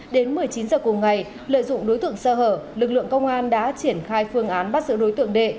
đến một mươi chín h cùng ngày lợi dụng đối tượng sơ hở lực lượng công an đã triển khai phương án bắt giữ đối tượng đệ